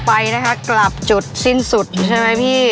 ไปนะคะกลับจุดสิ้นสุดใช่ไหมพี่